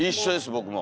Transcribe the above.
僕も。